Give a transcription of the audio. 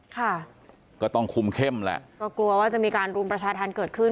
ค่ะก็ต้องคุมเข้มแหละก็กลัวว่าจะมีการรุมประชาธรรมเกิดขึ้น